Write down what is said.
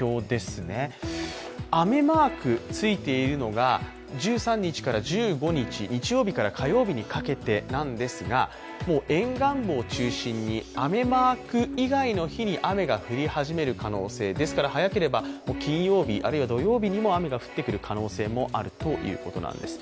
雨マークついているのが１３日から１５日、沿岸部を中心に雨マーク以外の日に雨が降り始める可能性、ですから早ければ金曜日土曜日にも雨が降ってくる可能性があるということなんです。